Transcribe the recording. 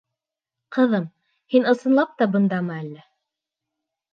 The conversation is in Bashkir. Ҡыҙым, һин ысынлап та бындамы әллә?